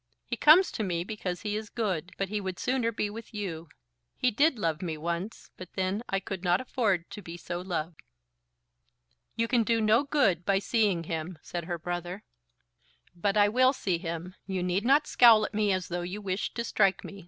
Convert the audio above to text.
He comes to me, because he is good; but he would sooner be with you. He did love me once; but then I could not afford to be so loved." "You can do no good by seeing him," said her brother. "But I will see him. You need not scowl at me as though you wished to strike me.